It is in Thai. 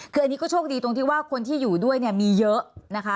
คืออันนี้ก็โชคดีตรงที่ว่าคนที่อยู่ด้วยเนี่ยมีเยอะนะคะ